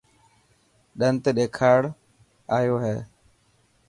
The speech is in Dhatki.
ڏنت ڏيکارڻ ايو هي.